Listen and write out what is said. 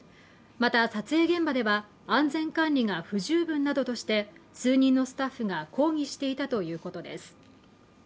また撮影現場では安全管理が不十分などとして数人のスタッフが抗議していたということです